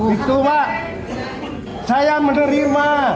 itu mak saya menerima